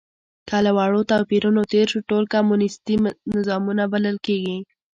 که له وړو توپیرونو تېر شو، ټول کمونیستي نظامونه بلل کېږي.